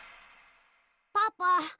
パパ